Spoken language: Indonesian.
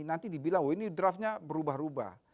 nanti dibilang oh ini draftnya berubah ubah